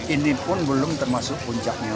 ini pun belum termasuk puncaknya